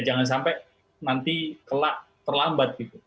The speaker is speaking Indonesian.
ya jangan sampai nanti telah terlambat gitu